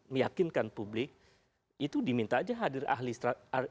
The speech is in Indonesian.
meyakinkan publik itu diminta aja hadir ahli strategi